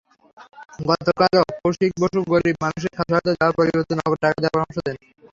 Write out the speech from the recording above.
গতকালও কৌশিক বসু গরিব মানুষকে খাদ্যসহায়তা দেওয়ার পরিবর্তে নগদ টাকা দেওয়ার পরামর্শ দেন।